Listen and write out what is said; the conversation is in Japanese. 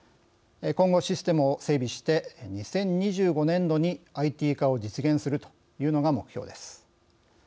今後、システムを整備して２０２５年度にＩＴ化を実現するというのが目標です。